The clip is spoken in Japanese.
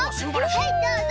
はいどうぞ。